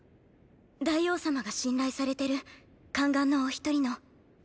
大王様が信頼されてる宦官のお一人のーー。